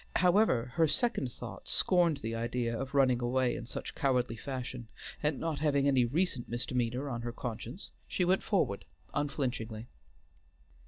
However, her second thought scorned the idea of running away in such cowardly fashion, and not having any recent misdemeanor on her conscience, she went forward unflinchingly.